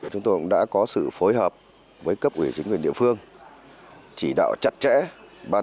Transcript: chúng tôi cũng đã có sự phối hợp với cấp ủy chính quyền địa phương chỉ đạo chặt chẽ